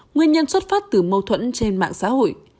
nguyên nhân xuất phát từ mâu thuẫn trên mạng xã hội